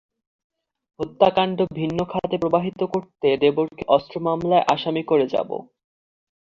হত্যাকাণ্ড ভিন্ন খাতে প্রবাহিত করতে দেবরকে অস্ত্র মামলায় আসামি করে র্যাব।